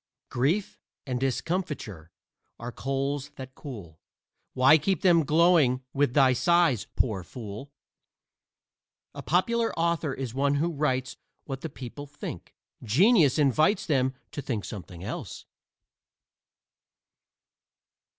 Grief and discomfiture are coals that cool: Why keep them glowing with thy sighs, poor fool? A popular author is one who writes what the people think. Genius invites them to think something else.